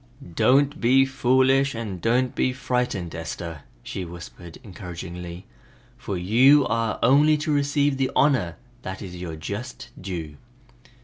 "Don't be foolish and don't be frightened, Esther," she whispered encouragingly, "for you are only to receive the honor that is your just due!"